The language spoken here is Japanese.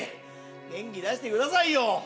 元気出してくださいよ。